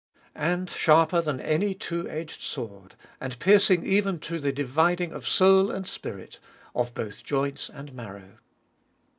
And sharper than any two edged sword, and piercing even to the dividing of soul and spirit, of both joints and marrow.